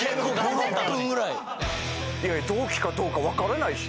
いやいや同期かどうかわからないし。